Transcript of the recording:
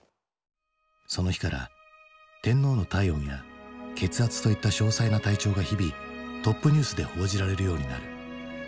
その日から天皇の体温や血圧といった詳細な体調が日々トップニュースで報じられるようになる。